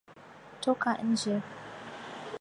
Toka nje.